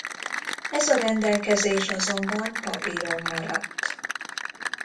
Ez a rendelkezés azonban papíron maradt.